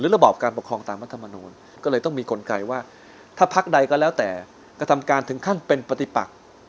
ระบอบการปกครองตามรัฐมนูลก็เลยต้องมีกลไกว่าถ้าพักใดก็แล้วแต่กระทำการถึงขั้นเป็นปฏิปัก